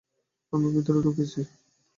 আমি ভেতরে ঢুকেছি।